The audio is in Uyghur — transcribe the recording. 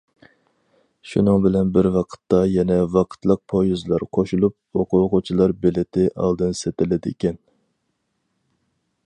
شۇنىڭ بىلەن بىر ۋاقىتتا يەنە ۋاقىتلىق پويىزلار قوشۇلۇپ، ئوقۇغۇچىلار بېلىتى ئالدىن سېتىلىدىكەن.